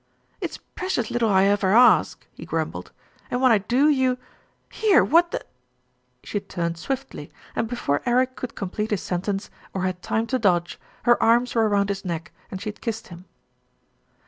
"It's precious little I ever ask," he grumbled, "and when I do you here, what the " She had turned swiftlv and, before Eric could com plete his sentence, or had time to dodge, her arms were round his neck, and she had kissed him.